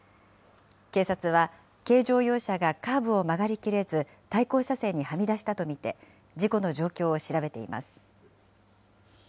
警察は、軽乗用車がカーブを曲がりきれず、対向車線にはみ出したと見て、事故の状況を調べています。